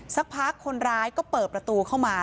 สักพักคนร้ายก็เปิดประตูเข้ามา